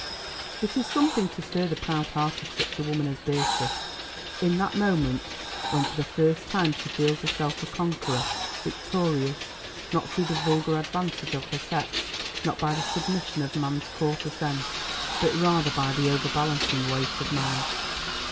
It is something to stir the proud heart of such a woman as Beatrice, in that moment when for the first time she feels herself a conqueror, victorious, not through the vulgar advantage of her sex, not by the submission of man's coarser sense, but rather by the overbalancing weight of mind.